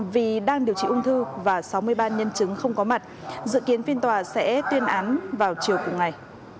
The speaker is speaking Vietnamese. vì đang điều trị ung thư và sáu mươi ba nhân chứng không có mặt dự kiến phiên tòa sẽ tuyên án vào chiều cùng ngày